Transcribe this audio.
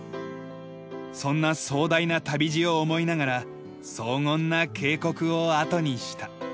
そんな壮大な旅路を思いながら荘厳な渓谷を後にした。